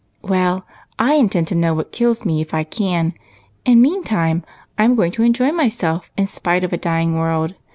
" Well, I intend to know what kills me if I can, and meantime I 'm going to enjoy myself in spite of a dying world.